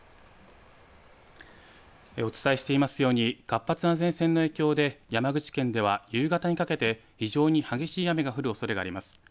お伝えしていますように活発な前線の影響で山口県では夕方にかけて非常に激しい雨が降るおそれがあります。